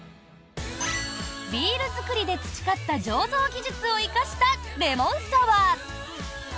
ビール造りで培った醸造技術を生かしたレモンサワー。